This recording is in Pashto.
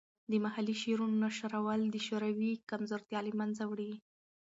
د محلي شعرونو نشرول د شعوري کمزورتیا له منځه وړي.